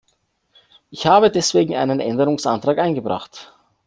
Ich habe deswegen einen Änderungsantrag eingebracht.